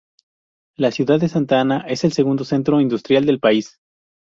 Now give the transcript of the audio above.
La ciudad de Santa Ana es el segundo centro industrial del país.